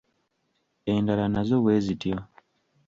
Endala nazo bwe zityo.